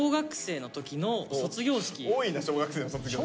僕は多いな小学生の卒業式。